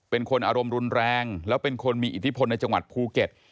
เป็นคนอารมณ์รุนแรงแล้วเป็นคนมีอิทธิพลในจังหวัดภูเก็ต